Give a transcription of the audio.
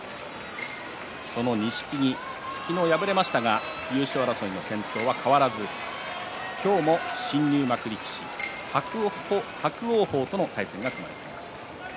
その錦木昨日、敗れましたが優勝争いの先頭は変わらず今日も、新入幕力士伯桜鵬と対戦が組まれています。